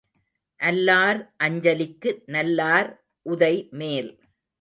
அல்லார் அஞ்சலிக்கு நல்லார் உதை மேல்.